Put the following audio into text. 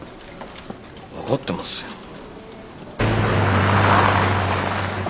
分かってますよ。